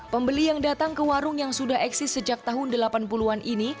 pembeli yang datang ke warung yang sudah eksis sejak tahun delapan puluh an ini